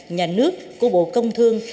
nhà nước của bộ công thương